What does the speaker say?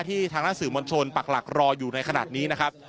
ที่ทางด้านสื่อมวลชนปักหลักรออยู่ในขณะนี้นะครับ